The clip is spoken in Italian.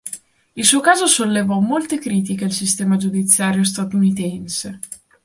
Il suo caso sollevò molte critiche al sistema giudiziario statunitense.